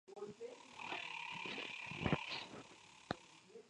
Estudió Filología Catalana en la Universidad Autónoma de Barcelona.